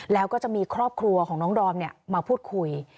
แล้วก็จะมีครอบครัวของน้องดอมมาพูดคุย